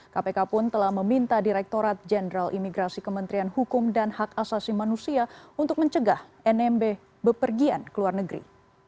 kpk pun telah meminta direkturat jenderal imigrasi kementerian hukum dan hak asasi manusia untuk mencegah nmb bepergian ke luar negeri